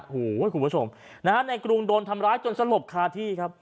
โอ้โหคุณผู้ชมนะฮะในกรุงโดนทำร้ายจนสลบคาที่ครับ